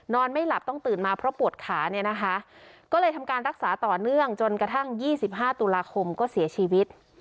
ไม่หลับต้องตื่นมาเพราะปวดขาเนี่ยนะคะก็เลยทำการรักษาต่อเนื่องจนกระทั่ง๒๕ตุลาคมก็เสียชีวิต